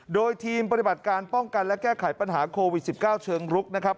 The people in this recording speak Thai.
โดยทีมปฏิบัติการป้องกันและแก้ไขปัญหาโควิด๑๙เชิงรุกนะครับ